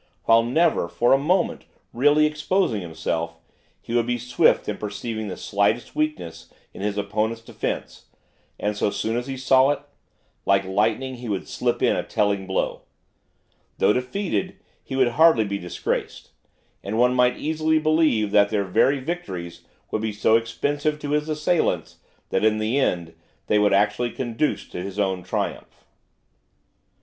While never, for a moment, really exposing himself, he would be swift in perceiving the slightest weakness in his opponents' defence, and, so soon as he saw it, like lightning, he would slip in a telling blow. Though defeated, he would hardly be disgraced; and one might easily believe that their very victories would be so expensive to his assailants, that, in the end, they would actually conduce to his own triumph.